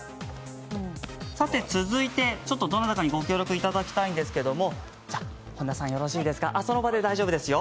続いてはどなたかにご協力いただきたいんですけれども、じゃあ、本田さんよろしいですかその場で大丈夫ですよ。